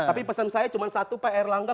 tapi pesan saya cuma satu pak erlangga